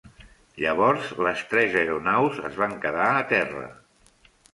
Llavors les tres aeronaus es van quedar a terra.